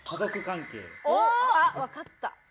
あっわかった！